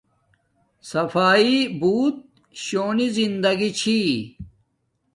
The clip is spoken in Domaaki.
صفاݵݷ بوت شونی زندگی چھی